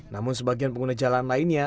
namun sebagian pengguna jalan lainnya